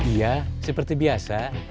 iya seperti biasa